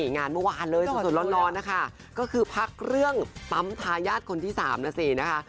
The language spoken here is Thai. งานเมื่อวานเลยสดร้อนนะคะก็คือพักเรื่องปั๊มทายาทคนที่๓นะสินะคะ